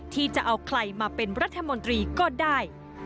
ที่จะเอาใครมาเป็นรัฐมนตรีก็ได้